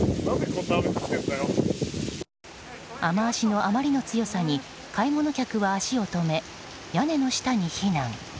雨脚のあまりの強さに買い物客は足を止め屋根の下に避難。